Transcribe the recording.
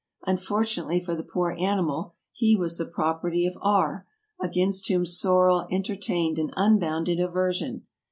Unfortu nately for the poor animal he was the property of R. , against whom Sorel entertained an unbounded aversion.